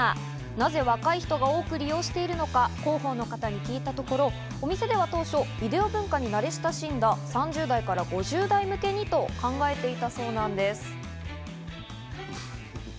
なぜ若い人が多く利用しているのか広報の方に聞いたところ、お店では当初ビデオ文化に慣れ親しんだ３０代から５０代向けにと考えていたそうなんです。